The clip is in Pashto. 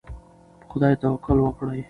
په خدای توکل وکړئ.